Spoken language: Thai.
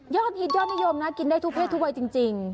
ฮิตยอดนิยมนะกินได้ทุกเพศทุกวัยจริง